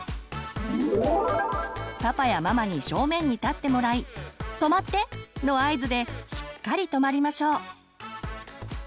パパやママに正面に立ってもらい「止まって！」の合図でしっかり止まりましょう。